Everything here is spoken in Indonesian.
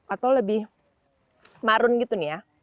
atau lebih marun gitu nih ya